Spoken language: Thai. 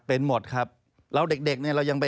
เป็นหมดครับแล้วเด็กเนี่ย